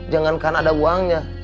jangankan ada uangnya